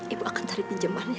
ibu akan cari pinjeman ya